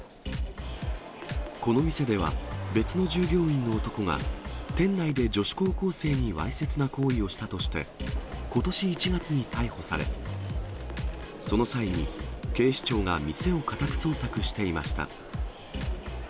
この店では、別の従業員の男が、店内で女子高校生にわいせつな行為をしたとして、ことし１月に逮捕され、その際に警視庁が店を家宅捜索していました。